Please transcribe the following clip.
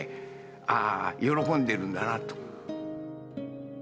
ああ喜んでるんだなと。